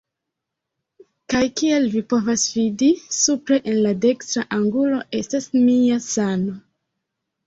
Kaj kial vi povas vidi, supre en la dekstra angulo estas mia sano